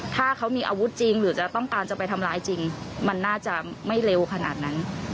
ถ้าเขามีอาวุธจริงหรือจะต้องการจะไปทำร้ายจริงมันน่าจะไม่เร็วขนาดนั้น